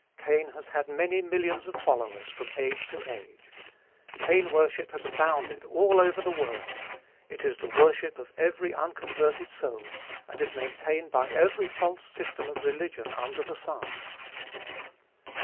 Cain has had many millions of followers, from age to age. Cain worship has abounded all over the world. It is the worship of every unconverted soul, and is maintained by every false system of religion under the sun.